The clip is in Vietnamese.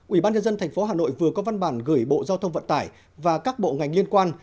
ubnd tp hà nội vừa có văn bản gửi bộ giao thông vận tải và các bộ ngành liên quan